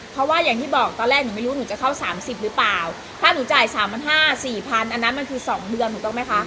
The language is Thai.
เพราะว่าอย่างที่บอกตอนแรกหนูไม่รู้หนูจะเข้า๓๐หรือเปล่าถ้าหนูจ่าย๓๕๐๐๔๐๐๐อันนั้นมันคือ๒เดือนหนูต้องไหมคะ